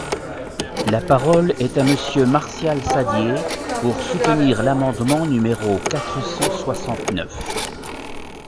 La parole est à Monsieur Martial Saddier, pour soutenir l’amendement numéro quatre cent soixante-neuf.